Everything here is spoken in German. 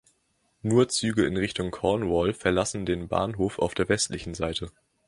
Nur Züge in Richtung Cornwall verlassen den Bahnhof auf der westlichen Seite.